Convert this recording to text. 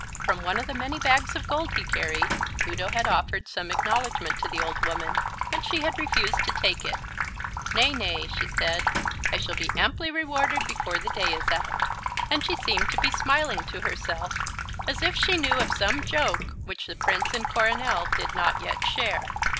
From one of the many bags of gold he carried, Udo had offered some acknowledgment to the old woman, but she had refused to take it. "Nay, nay," she said. "I shall be amply rewarded before the day is out." And she seemed to be smiling to herself as if she knew of some joke which the Prince and Coronel did not yet share.